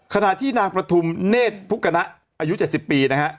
ขณะที่นางประทุมเนธพุกณะอายุ๗๐ปีนะฮะ